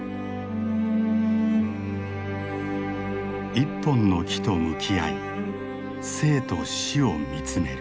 一本の木と向き合い生と死を見つめる。